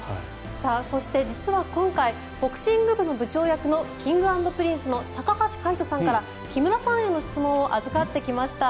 そして、実は今回ボクシング部の部長役のＫｉｎｇ＆Ｐｒｉｎｃｅの高橋海人さんから木村さんへの質問を預かってきました。